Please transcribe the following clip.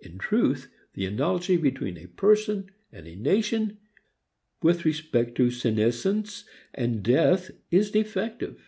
In truth the analogy between a person and a nation with respect to senescence and death is defective.